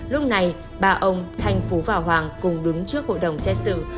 lúc này ba ông thanh phú và hoàng cùng đứng trước hội đồng xét xử